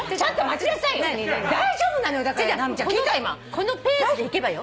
このペースでいけばよ？